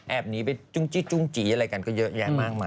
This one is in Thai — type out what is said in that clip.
แอบนี้ไปจุ้งจี้จุ้งจี้ก็เยอะมากมายเลย